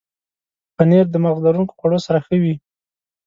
پنېر د مغز لرونکو خوړو سره ښه وي.